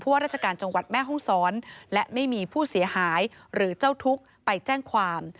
ว่าราชการจังหวัดแม่ห้องศรและไม่มีผู้เสียหายหรือเจ้าทุกข์ไปแจ้งความ